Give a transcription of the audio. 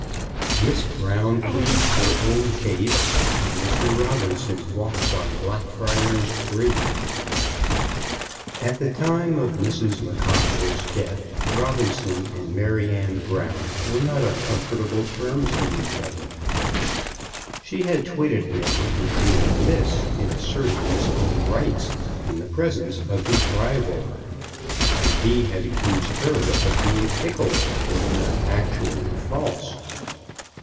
MISS BROWN PLEADS HER OWN CASE, AND MR. ROBINSON WALKS ON BLACKFRIARS BRIDGE. At the time of Mrs. McCockerell's death Robinson and Maryanne Brown were not on comfortable terms with each other. She had twitted him with being remiss in asserting his own rights in the presence of his rival, and he had accused her of being fickle, if not actually false.